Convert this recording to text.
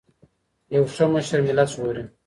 یو ښه مشر ملت ژغوري.